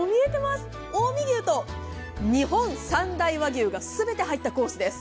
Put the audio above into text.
近江牛と日本三大和牛が全て入ったコースです。